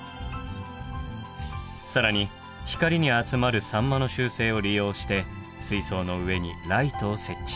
更に光に集まるサンマの習性を利用して水槽の上にライトを設置。